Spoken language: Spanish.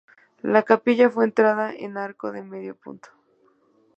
La capilla tiene entrada con arco de medio punto.